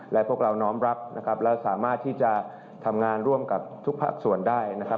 และพวกเราน้อมรับนะครับและสามารถที่จะทำงานร่วมกับทุกภาคส่วนได้นะครับ